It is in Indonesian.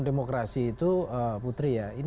demokrasi itu putri ya ini